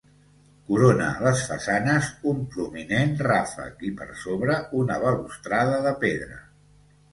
Corona les façanes un prominent ràfec i per sobre una balustrada de pedra.